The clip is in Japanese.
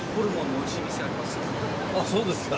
あっそうですか。